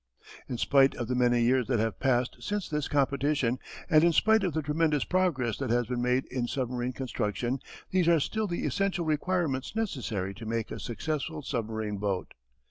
In spite of the many years that have passed since this competition and in spite of the tremendous progress that has been made in submarine construction these are still the essential requirements necessary to make a successful submarine boat.